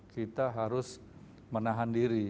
kita harus menahan diri